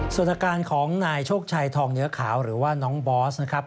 ส่วนอาการของนายโชคชัยทองเนื้อขาวหรือว่าน้องบอสนะครับ